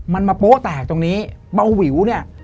มันมาโป๊ะแตกตรงนี้เบาวิวเนี่ย